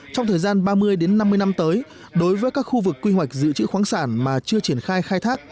trong thời gian ba mươi năm mươi năm tới đối với các khu vực quy hoạch giữ chữ khoáng sản mà chưa triển khai khai thác